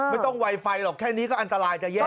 ไม่ต้องไวไฟหรอกแค่นี้ก็อันตรายจะแย่แล้ว